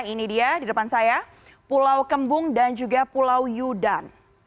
ini dia di depan saya pulau kembung dan juga pulau yudan